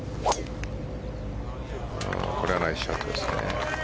これはナイスショットですね。